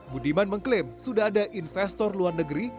budiman mengklaim sudah ada investor luar negeri